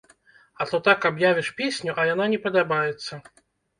А то так аб'явіш песню, а яна не падабаецца.